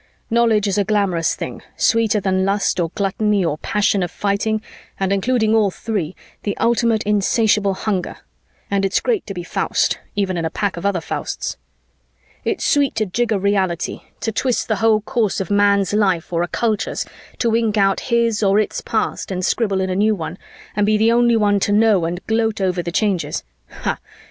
Knowledge is a glamorous thing, sweeter than lust or gluttony or the passion of fighting and including all three, the ultimate insatiable hunger, and it's great to be Faust, even in a pack of other Fausts. "It's sweet to jigger reality, to twist the whole course of a man's life or a culture's, to ink out his or its past and scribble in a new one, and be the only one to know and gloat over the changes hah!